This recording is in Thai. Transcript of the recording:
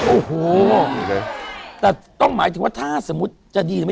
โอ้โหแต่ต้องหมายถึงว่าถ้าสมมุติจะดีไหม